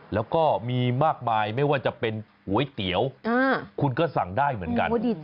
แล้วก็มีมากมายไม่ว่าจะเป็นก๋วยเตี๋ยวคุณก็สั่งได้เหมือนกัน